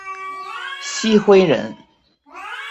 郗恢人。